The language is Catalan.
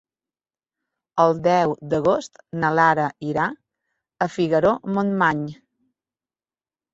El deu d'agost na Lara irà a Figaró-Montmany.